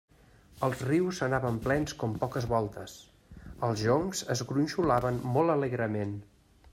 Els rius anaven plens com poques voltes; els joncs es gronxolaven molt alegrement.